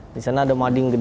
disana ada mading gede